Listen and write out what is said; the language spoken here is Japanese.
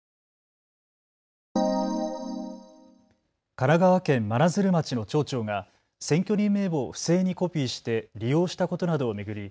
神奈川県真鶴町の町長が選挙人名簿を不正にコピーして利用したことなどを巡り